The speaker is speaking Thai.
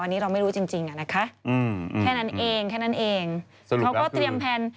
อันนี้เราไม่รู้จริงจริงอ่ะนะคะอืมแค่นั้นเองแค่นั้นเองเขาก็เตรียมแพลน